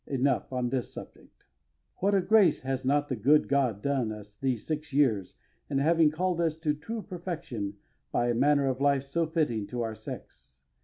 Enough on this subject. What a grace has not the good God done us these six years in having called us to true perfection by a manner of life so fitting to our sex.